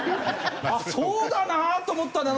あっそうだなと思ったね